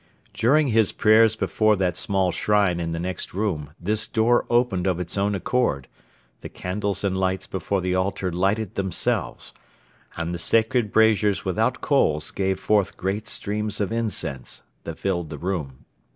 During his prayers before that small shrine in the next room this door opened of its own accord, the candles and lights before the altar lighted themselves and the sacred braziers without coals gave forth great streams of incense that filled the room.